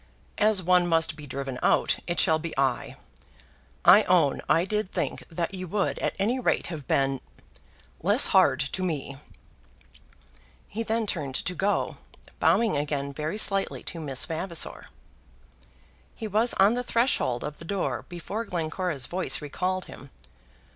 As one must be driven out, it shall be I. I own I did think that you would at any rate have been less hard to me." He then turned to go, bowing again very slightly to Miss Vavasor. He was on the threshold of the door before Glencora's voice recalled him.